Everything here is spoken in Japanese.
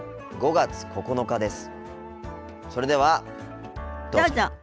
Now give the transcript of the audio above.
５月９日です。